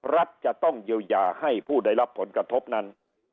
รัฐจะต้องเยียวยาให้ผู้ได้รับผลกระทบนั้น